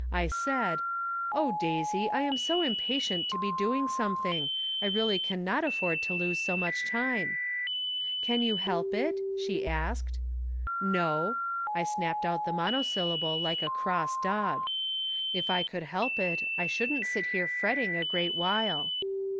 I said :" Oh, Daisy, I am so impatient to be doing something! I really can not aiford to lose so much time." " Can you help it ?" she asked. " No," I snapped out the monosyllable Hke a cross dog. " If I could help it I shouldn't sit here fretting a great while."